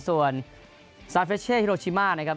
ส่วนซานเฟชเช่ฮิโรชิมานะครับ